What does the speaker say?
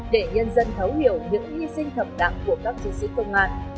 để nhân dân thấu hiểu những hy sinh thầm đạm của các chiến sĩ công an